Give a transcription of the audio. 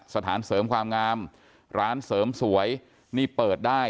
สถานเสริมความงามร้านเสริมสวยนี่เปิดได้